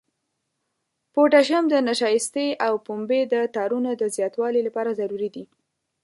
پوتاشیم د نشایستې او پنبې د تارونو د زیاتوالي لپاره ضروري دی.